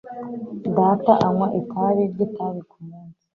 Data anywa itabi ry'itabi kumunsi.